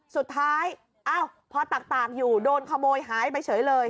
สุดท้ายพอต่างอยู่โดนขโมยหายไปเฉยเลย